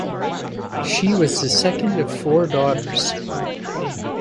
She was the second of four daughters.